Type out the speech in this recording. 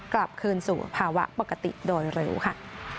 กลับคืนสู่ภาวะปกติโดยเร็วค่ะ